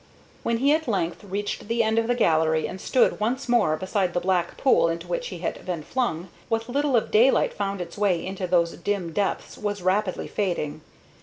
When he at length reached the end of the gallery and stood once more beside the black pool into which he had been flung, what little of daylight found its way into those dim depths was rapidly fading.